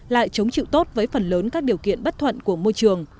lại chống chịu tốt với phần lớn các điều kiện bất thuận của cây trồng